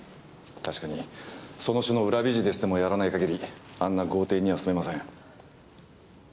確かにその種の裏ビジネスでもやらない限りあんな豪邸には住めません。